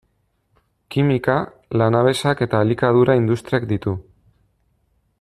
Kimika, lanabesak eta elikadura-industriak ditu.